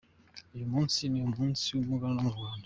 Uyu munsi ni umunsi w’umuganura mu Rwanda.